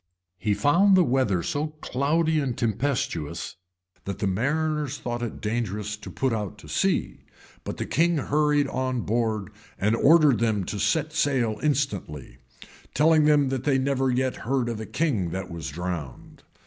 He found the weather so cloudy and tempestuous, that the mariners thought it dangerous to put to sea: but the king hurried on board, and ordered them to set sail instantly; telling them that they never yet heard of a king that was drowned.